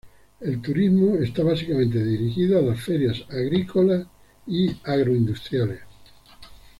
El turismo está básicamente dirigido a las ferias agrícolas y agroindustriales.